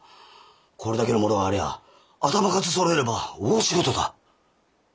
これだけのものがありゃあ頭数そろえれば大仕事だ。